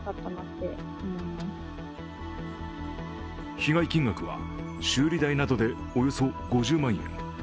被害金額は修理代などで、およそ５０万円。